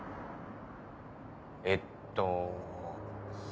えっと。